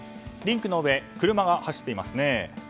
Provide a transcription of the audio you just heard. リンクの上、車が走っていますね。